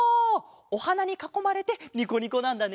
おはなにかこまれてニコニコなんだね。